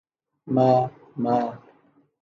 _ما، ما